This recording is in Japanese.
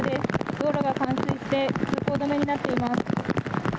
道路が冠水して通行止めになっています。